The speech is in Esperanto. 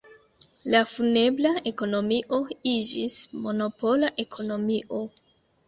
La funebra ekonomio iĝis monopola ekonomio.